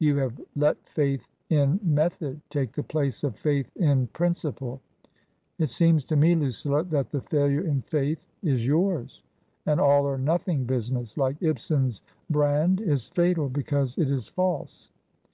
You have let faith in method take the place of faith in principle !"" It seems to me, Lucilla, that the failure in faith is yours. 'An all or nothing' business like Ibsen's Brand is fatal because it is false."